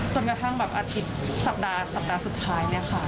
จนกระทั่งอาทิตย์สัปดาห์สัปดาห์สุดท้ายค่ะ